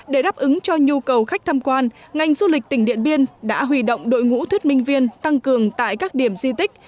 để đáp ứng cho nhu cầu khách tham quan ngành du lịch tỉnh điện biên đã hủy động đội ngũ thuyết minh viên tăng cường tại các điểm di tích